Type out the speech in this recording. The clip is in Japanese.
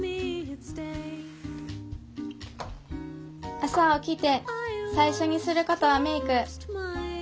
朝起きて最初にすることはメイク。